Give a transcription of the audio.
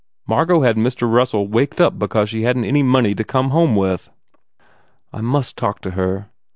Margot had Mr. Russell waked up because she hadn t any money to come home with." "I must talk to her